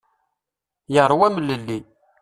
Yeṛwa amlelli.